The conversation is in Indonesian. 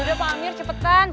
yaudah pak amir cepetan